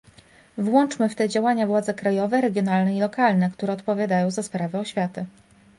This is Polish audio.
Włączmy w te działania władze krajowe, regionalne i lokalne, które odpowiadają za sprawy oświaty